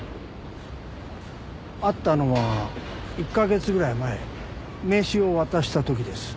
会ったのは１カ月ぐらい前名刺を渡した時です。